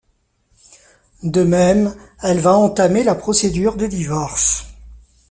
De même, elle va entamer la procédure de divorce.